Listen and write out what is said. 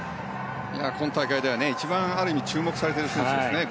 今大会ではある意味一番注目されている選手ですね。